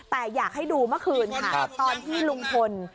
แต่อยากให้ดูเมื่อคืนค่ะตอนที่ลุงพล